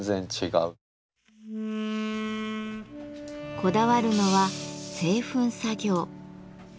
こだわるのは製粉作業。